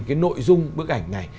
cái nội dung bức ảnh này